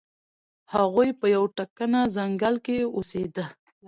هغوی په یو تکنه ځنګل کې اوسیده.